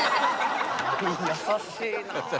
優しいなあ。